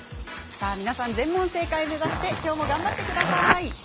皆さん全問正解目指してきょうも頑張ってください。